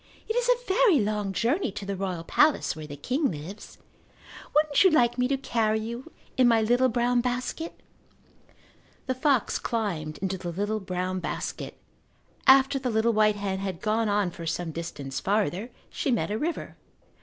"It is a very long journey to the royal palace where the king lives. Wouldn't you like me to carry you in my little brown basket?" The fox climbed into the little brown basket. After the little white hen had gone on for some distance farther she met a river.